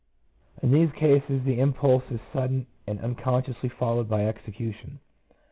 In these cases the impulse is sudden, and uncon sciously followed by execution.